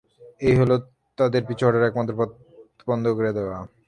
এটা হল তাদের পিছু হটার একমাত্র পথ বন্ধ করে দেওয়া।